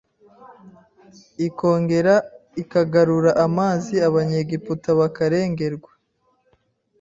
ikongera ikagarura amazi Abanyegiputa bakarengerwa